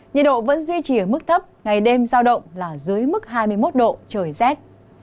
nhiệt độ vẫn duy trì ở mức thấp ngày đêm giao động là dưới mức hai mươi một độ trời rét